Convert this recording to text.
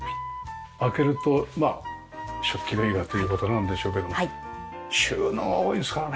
開けると食器類がという事なんでしょうけども収納が多いですからね。